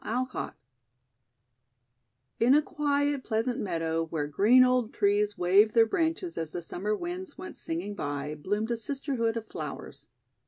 Alcott IN a quiet, pleasant meadow, where green old trees waved their branches as the Summer winds went singing by, bloomed a sisterhood of flowers.